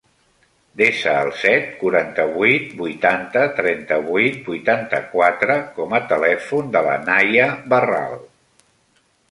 Desa el set, quaranta-vuit, vuitanta, trenta-vuit, vuitanta-quatre com a telèfon de la Nahia Barral.